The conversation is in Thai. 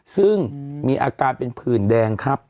ซึ่งมีอาการเป็นผื่นแดงครับ